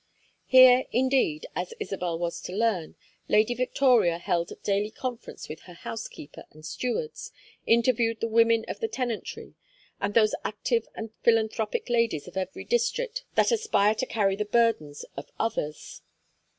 Here, indeed, as Isabel was to learn, Lady Victoria held daily conference with her housekeeper and stewards, interviewed the women of the tenantry, and those active and philanthropic ladies of every district that aspire to carry the burdens of others.